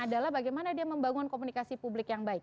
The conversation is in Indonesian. adalah bagaimana dia membangun komunikasi publik yang baik